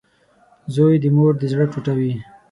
• زوی د مور د زړۀ ټوټه وي.